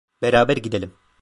Beraber gidelim.